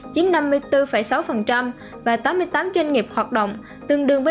chiếm năm mươi bốn sáu và tám mươi tám doanh nghiệp hoạt động tương đương với bảy mươi bốn